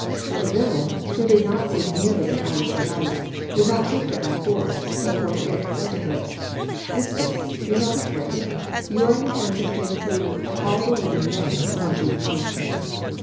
The villain, who did not seek merely an hour's delight, would not take her by force, but forthwith said to her "Mistress, be not afraid; you are in the hands of him who, of all living men, loves you the most."